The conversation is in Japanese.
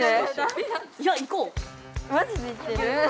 マジで言ってる？